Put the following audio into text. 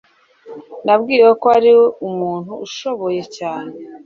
Nabwiwe ko ari umuntu ushoboye cyane